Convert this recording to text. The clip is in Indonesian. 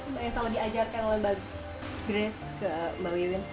mbak yang selalu diajarkan oleh mbak grace ke mbak wiwin